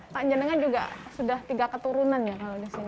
pak jenengan juga sudah tiga keturunan ya kalau di sini